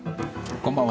こんばんは。